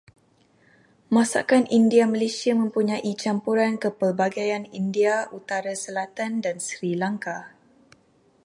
Masakan India Malaysia mempunyai campuran kepelbagaian India utara-selatan dan Sri Lanka.